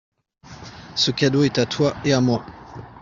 Ce cadeau est à toi et à moi.